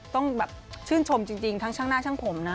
ต้องแบบชื่นชมจริงทั้งช่างหน้าช่างผมนะ